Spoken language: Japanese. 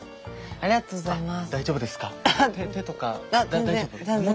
ありがとうございます。